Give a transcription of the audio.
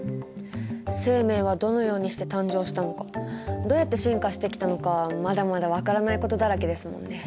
生命はどのようにして誕生したのかどうやって進化してきたのかまだまだ分からないことだらけですもんね。